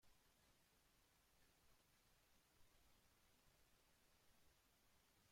Esta sentencia revela la sensibilidad autonomista de Elorza.